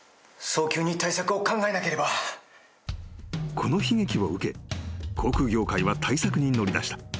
［この悲劇を受け航空業界は対策に乗り出した］